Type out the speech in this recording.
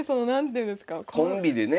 コンビでね。